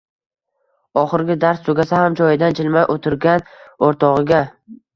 oxirgi dars tugasa ham joyidan jilmay o‘tirgan o‘rtog‘iga